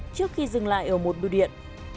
trước khi dừng lại ở một biểu điện